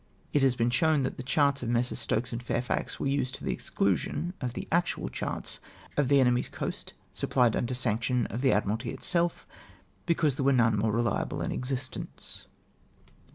It has been shown that the charts of Messrs. Stokes and Fakfax were used to the exclusion of the actual charts of the enemy's coast supplied under sanction of the Admiralty itself, because there were none more rehable m existence.